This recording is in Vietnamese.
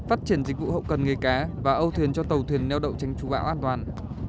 phát triển dịch vụ hậu cần nghề cá và âu thuyền cho tàu thuyền neo đậu tránh chú bão an toàn